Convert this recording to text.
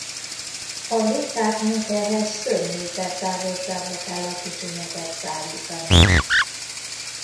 A békáknak ehhez több méter távolságba kell a kicsinyeket szállítaniuk.